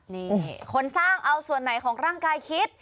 นี่คนสร้างเอาส่วนไหนของร่างกายคิด